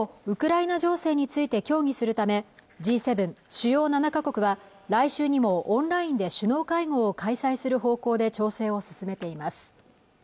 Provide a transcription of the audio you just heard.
ウクライナ情勢について協議するためＧ７＝主要７か国は来週にもオンラインで首脳会合を開催する方向で調整を進めています